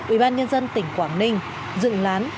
ủy ban nhân dân tỉnh quảng ninh dựng lán